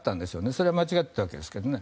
それは間違っていたわけですけど。